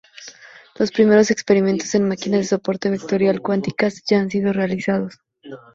Los primeros experimentos en máquinas de soporte vectorial cuánticas ya han sido realizados.